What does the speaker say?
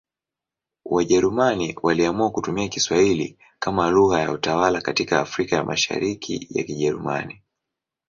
Wajerumani waliamua kutumia Kiswahili kama lugha ya utawala katika Afrika ya Mashariki ya Kijerumani.